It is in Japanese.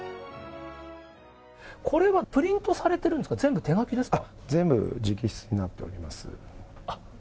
これはプリントされてるんですか、全部手書きですか？